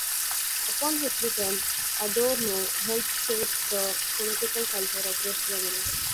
Upon his return, Adorno helped shape the political culture of West Germany.